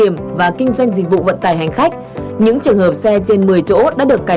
mời quý vị cùng theo dõi